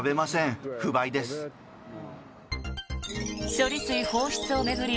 処理水放出を巡り